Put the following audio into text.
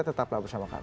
tetaplah bersama kami